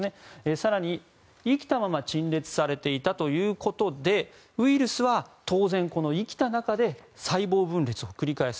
更に、生きたまま陳列されていたということでウイルスは当然、生きた中で細胞分裂を繰り返す。